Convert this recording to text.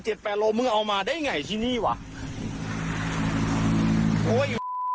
จิตใจทำด้วยอะไรเนี่ย